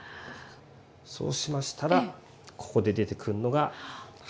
そうしましたらここで出てくるのがはちみつですね。